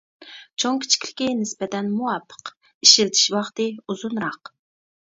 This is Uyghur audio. چوڭ-كىچىكلىكى نىسبەتەن مۇۋاپىق، ئىشلىتىش ۋاقتى ئۇزۇنراق.